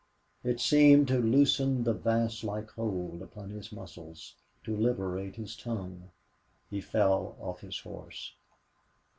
It seemed to loosen the vise like hold upon his muscles, to liberate his tongue. He fell off his horse.